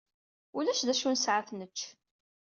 Ulac d acu i nesɛa ad t-nečč.